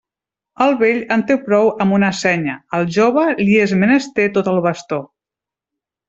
El vell en té prou amb una senya, al jove li és menester tot el bastó.